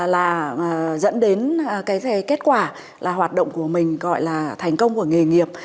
là dẫn đến cái kết quả là hoạt động của mình gọi là thành công của nghề nghiệp